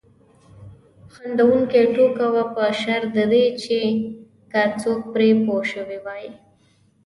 خندونکې ټوکه وه په شرط د دې که څوک پرې پوه شوي وای.